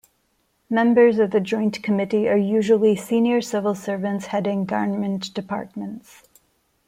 Members of the Joint Committee are usually senior civil servants heading government departments.